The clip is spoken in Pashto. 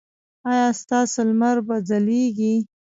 ایا ستاسو لمر به ځلیږي؟